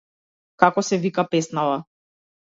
Како се вика песнава?